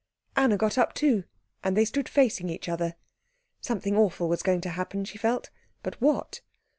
Anna got up too, and they stood facing each other. Something awful was going to happen, she felt, but what?